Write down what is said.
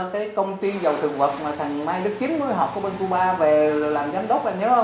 cái công ty dầu thực vật mà thằng mai đức chính mới học ở bên cuba về làm giám đốc anh nhớ không